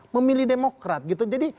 memilih demokrat gitu jadi